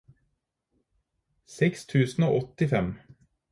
seks tusen og åttifem